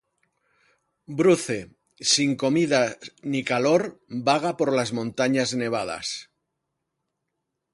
Bruce, sin comida ni calor, vaga por las montañas nevadas.